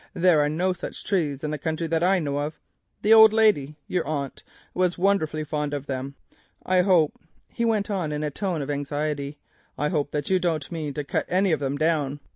There are no such trees in the county that I know of. The old lady, your aunt, was wonderfully fond of them. I hope—" he went on in a tone of anxiety—"I hope that you don't mean to cut any of them down."